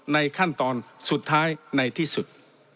ในขั้นตอนสุดท้ายในที่สุด